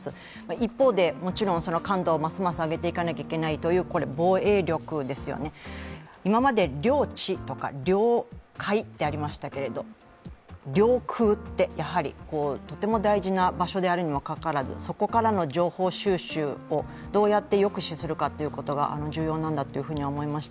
一方で、もちろん感度をますます上げていかないといけないという防衛力ですよね、今まで領地とか領海ってありましたけれども、領空ってやはりとても大事な場所であるにもかかわらずそこからの情報収集をどうやって抑止するかってことが重要なんだと思いました。